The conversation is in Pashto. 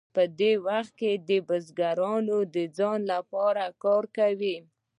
په دې وخت کې بزګرانو د ځان لپاره کار کاوه.